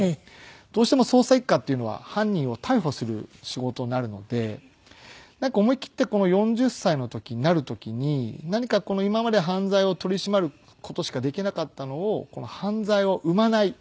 どうしても捜査一課っていうのは犯人を逮捕する仕事になるので思い切って４０歳になる時に何か今まで犯罪を取り締まる事しかできなかったのを犯罪を生まない。